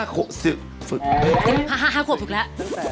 ๕ขวบฝึกแล้ว